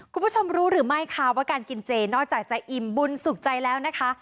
คุณผู้ชมรู้หรือไม่ค่ะว่าการกินเจนอกจากจะอิ่มบุญสุขใจแล้วนะคะ